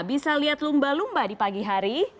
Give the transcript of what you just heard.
bisa lihat lumba lumba di pagi hari